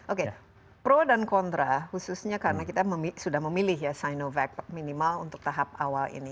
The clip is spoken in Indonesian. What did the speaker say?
oke pro dan kontra khususnya karena kita sudah memilih ya sinovac minimal untuk tahap awal ini